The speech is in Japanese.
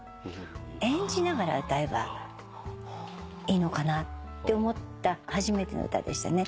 演じながら歌えばいいのかなって思った初めての歌でしたね。